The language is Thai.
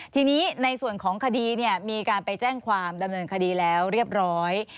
ทีนี้ในส่วนของคดีมีการไปแจ้งความดำเนินคดีแล้วเรียบร้อย